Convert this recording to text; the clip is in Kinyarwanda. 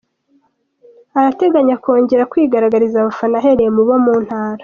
Arateganya kongera kwigaragariza abafana ahereye mu bo mu ntara.